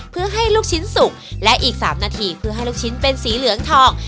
เพื่อให้ลูกชิ้นสุกและอีก๓นาทีเพื่อให้ลูกชิ้นเป็นสีเหลืองทอง